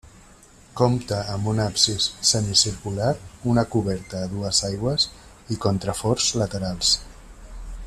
Compta amb un absis semicircular, una coberta a dues aigües i contraforts laterals.